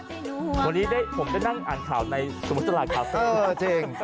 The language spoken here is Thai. โอ้โฮวันนี้ผมจะนั่งอ่านข่าวในสุพธาราคาเฟ่เออจริง